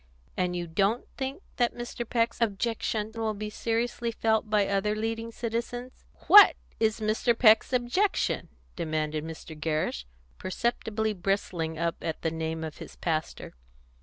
And you don't think that Mr. Peck's objection will be seriously felt by other leading citizens?" "What is Mr. Peck's objection?" demanded Mr. Gerrish, perceptibly bristling up at the name of his pastor.